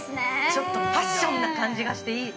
◆ちょっとパッションな感じがして、いい！